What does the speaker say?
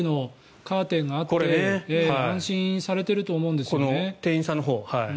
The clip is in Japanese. カーテンがあって安心されてると思うんですよね。